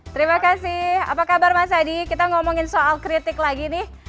terima kasih apa kabar mas adi kita ngomongin soal kritik lagi nih